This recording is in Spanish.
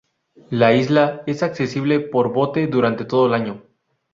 La isla es accesible por bote durante todo el año.